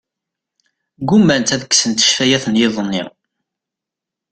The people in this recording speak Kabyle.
Ggumant ad kksent ccfayat n yiḍ-nni.